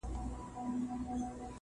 o ورته سپک په نظر ټوله موږکان دي,